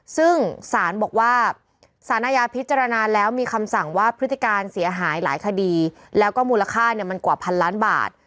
ซึ่งสารบอกว่าสารอาญาพิจารณาแล้วมีคำสั่งว่าพฤติการเสียหายหลายคดีแล้วก็มูลค่าเนี่ยมันกว่าพันล้านบาท